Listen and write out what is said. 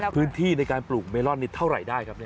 พื้นที่ในการปลูกเมลอนนี่เท่าไหร่ได้ครับ